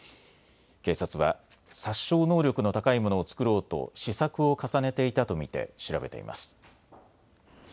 警察は殺傷能力の高いものを作ろうと試作を重ねていたと見て調べています。